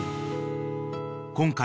［今回］